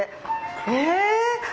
え！